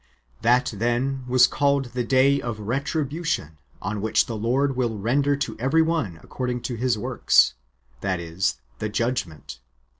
That, then, was called the day of retribution on which j/ the Lord will render to every one according to his w^orks — that is, the judgment.